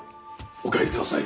お帰りください。